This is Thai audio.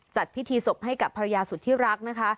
จัดพิธีศพให้กับภรรยาสุดที่รักนะคะ